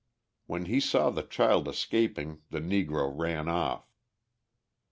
When he saw the child escaping the Negro ran off.